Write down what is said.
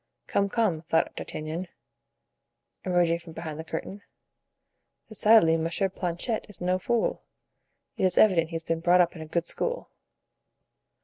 "Come, come," thought D'Artagnan, emerging from behind the curtain, "decidedly Monsieur Planchet is no fool; it is evident he has been brought up in a good school."